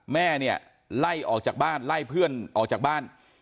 แม่เนี่ยไล่ออกจากบ้านไล่เพื่อนออกจากบ้าน